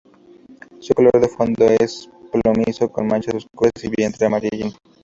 Su color de fondo es plomizo, con manchas oscuras y vientre amarillento.